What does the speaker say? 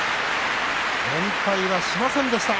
連敗はしませんでした。